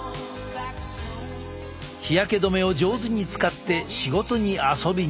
日焼け止めを上手に使って仕事に遊びに！